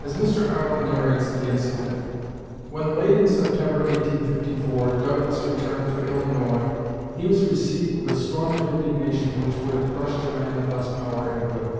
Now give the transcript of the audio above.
As Mr. Arnold narrates the incident, "When, late in September, 1854, Douglas returned to Illinois he was received with a storm of indignation which would have crushed a man of less power and will.